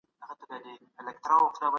په سپينه زنه كي خال ووهي ويده سمه زه